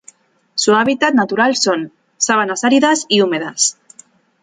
Su hábitat natural son: sabanas áridas y húmedas.